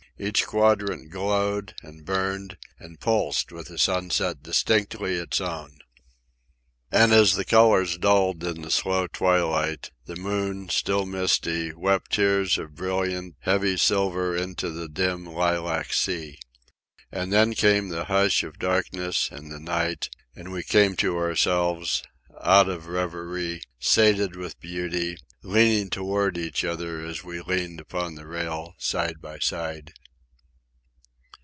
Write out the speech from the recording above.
Each quadrant glowed, and burned, and pulsed with a sunset distinctly its own. And as the colours dulled in the slow twilight, the moon, still misty, wept tears of brilliant, heavy silver into the dim lilac sea. And then came the hush of darkness and the night, and we came to ourselves, out of reverie, sated with beauty, leaning toward each other as we leaned upon the rail side by side.